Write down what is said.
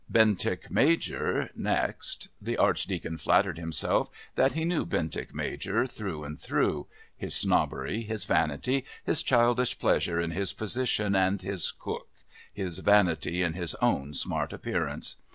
Bentinck Major next. The Archdeacon flattered himself that he knew Bentinck Major through and through his snobbery, his vanity, his childish pleasure in his position and his cook, his vanity in his own smart appearance!